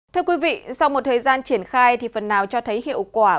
thưa quý vị sau một thời gian triển khai thì phần nào cho thấy hiệu quả